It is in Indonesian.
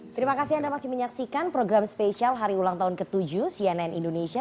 terima kasih anda masih menyaksikan program spesial hari ulang tahun ke tujuh cnn indonesia